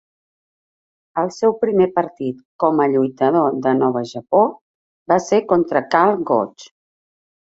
El seu primer partit com a lluitador de Nova Japó va ser contra Karl Gotch.